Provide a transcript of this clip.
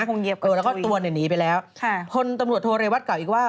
คงเหยียบกันด้วยแล้วก็ตัวเนี่ยหนีไปแล้วคนตำรวจโทรเรวัตเก่าอีกว่า